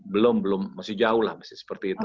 belum belum masih jauh lah masih seperti itu